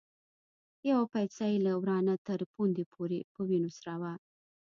يوه پايڅه يې له ورانه تر پوندې پورې په وينو سره وه.